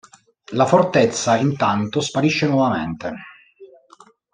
La fortezza intanto sparisce nuovamente.